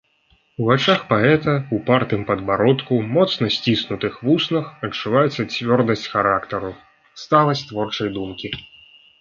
У вачах паэта, упартым падбародку, моцна сціснутых вуснах адчуваецца цвёрдасць характару, сталасць творчай думкі.